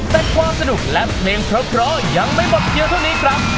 แต่ความสนุกและเพลงเพราะยังไม่หมดเพียงเท่านี้ครับ